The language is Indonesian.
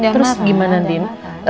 terus gimana din